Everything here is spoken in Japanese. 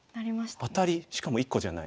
アタリしかも１個じゃない。